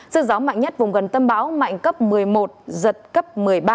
sức gió mạnh nhất vùng gần tâm bão mạnh cấp một mươi một giật cấp một mươi ba